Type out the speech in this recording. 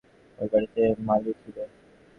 ঐ বাড়িতে মালি ছিলে।